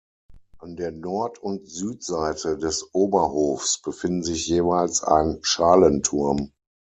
An der Nord- und Südseite des Oberhofs befinden sich jeweils ein Schalenturm.